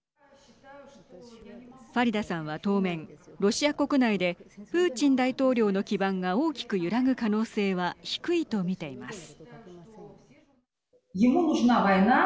ファリダさんは当面ロシア国内でプーチン大統領の基盤が大きく揺らぐ可能性は低いと見ています。